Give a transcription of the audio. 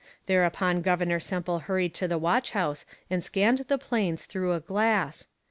Thereupon Governor Semple hurried to the watch house and scanned the plains through a glass.